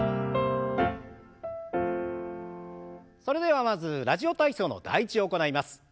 それではまず「ラジオ体操」の「第１」を行います。